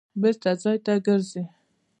بېرته ځای ته ګرځي.